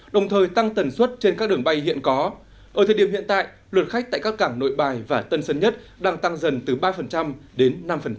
đồng thời tăng tần suất trên các đường bay hiện có ở thời điểm hiện tại lượt khách tại các cảng nội bài và tân sơn nhất đang tăng dần từ ba đến năm